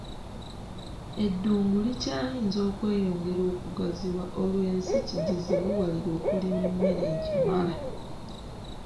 Eddungu likyayinza okweyongera okugaziwa olwo ensi kigizibuwalire okulima emmere egimala